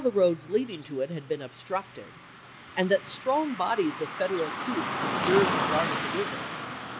roads leading to it had been obstructed, and that MJ£|Jjjg^ strong bodies of Federal troops observed and of0^era ry guarded the river.